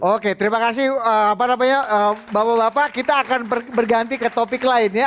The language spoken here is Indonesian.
oke terima kasih apa namanya bapak bapak kita akan berganti ke topik lainnya